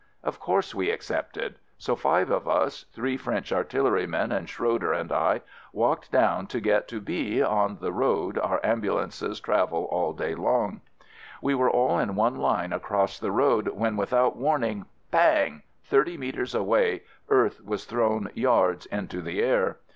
Of course we accepted; so five of us, three French artillerymen and Schroeder and I, walked down to get to B on the road our ambulances travel all day long. FIELD SERVICE j 65 We were all in one line across the road when without warning — bang! — thirty metres away earth was thrown yards into the air.